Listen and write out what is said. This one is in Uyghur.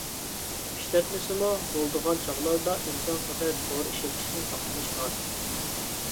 ئىشلەتمىسىمۇ بولىدىغان چاغلاردا ئىمكانقەدەر دورا ئىشلىتىشتىن ساقلىنىش لازىم.